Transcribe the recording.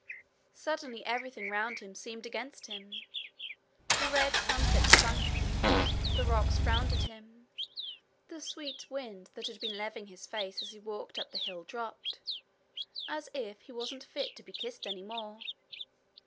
Suddenly everything round about him seemed against him. The red sunset stung him; the rocks frowned at him; the sweet wind that had been laving his face as he walked up the hill dropped as if he wasn't fit to be kissed any more.